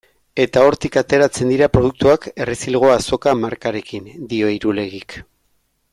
Eta hortik ateratzen dira produktuak Errezilgo Azoka markarekin, dio Irulegik.